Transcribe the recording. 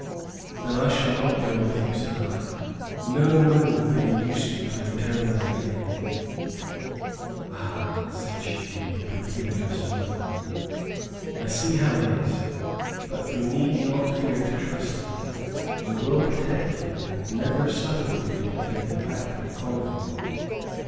"Then I shall not go with you," said I. "No money could induce me to return there again." "Ah!" said she, with a peculiar smile, "I see how it is, but you need not fear to trust me. I will protect you, and never suffer you to be taken back to the convent."